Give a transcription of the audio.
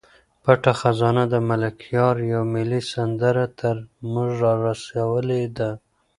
پټه خزانه د ملکیار یوه ملي سندره تر موږ را رسولې ده.